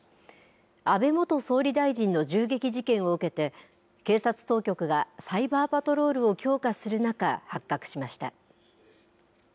安倍元総理大臣の銃撃事件を受けて警察当局がサイバーパトロールを強化する中発覚しました。